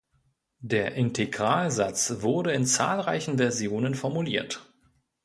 Der Integralsatz wurde in zahlreichen Versionen formuliert.